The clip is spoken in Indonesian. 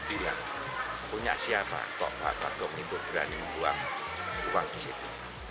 dia punya siapa mbah bagung untuk berani membuang uang di situ